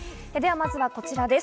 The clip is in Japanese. まずはこちらです。